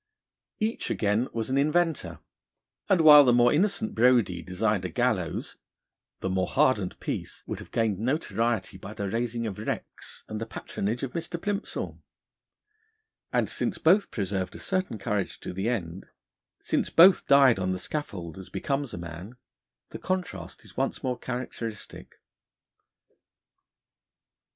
Each, again, was an inventor, and while the more innocent Brodie designed a gallows, the more hardened Peace would have gained notoriety by the raising of wrecks and the patronage of Mr. Plimsoll. And since both preserved a certain courage to the end, since both died on the scaffold as becomes a man, the contrast is once more characteristic.